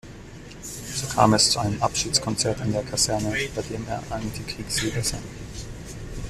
So kam es zu einem Abschiedskonzert in der Kaserne, bei dem er Anti-Kriegslieder sang.